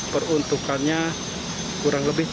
peruntukannya kurang lebih